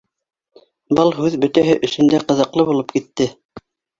Был һүҙ бөтәһе өсөн дә ҡыҙыҡлы булып китте